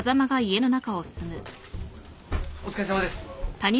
お疲れさまです。